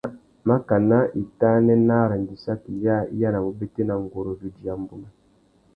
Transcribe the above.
Makana itānê nà arandissaki yâā i yānamú ubétēna nguru râ idiya mbunu.